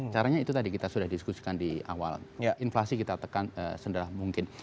caranya itu tadi kita sudah diskusikan di awal inflasi kita tekan senderah mungkin